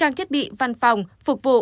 trang thiết bị văn phòng phục vụ